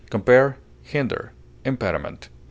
Compare HINDER; IMPEDIMENT.